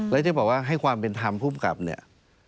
แล้วจะบอกว่าให้ความเป็นธรรมภูมิกับเนี่ย